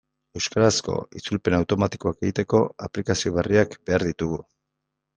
Euskarazko itzulpen automatikoak egiteko aplikazio berriak behar ditugu.